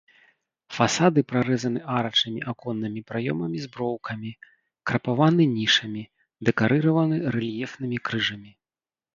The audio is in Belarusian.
Фасады прарэзаны арачнымі аконнымі праёмамі з броўкамі, крапаваны нішамі, дэкарыраваны рэльефнымі крыжамі.